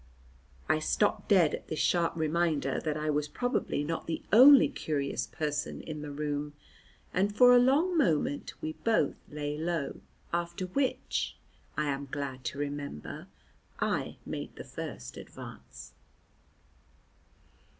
I stopped dead at this sharp reminder that I was probably not the only curious person in the room, and for a long moment we both lay low, after which, I am glad to remember, I made the first advance.